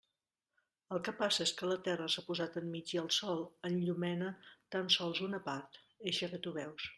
El que passa és que la Terra s'ha posat enmig i el sol enllumena tan sols una part, eixa que tu veus.